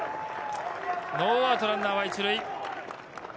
ノーアウト、ランナーは１塁。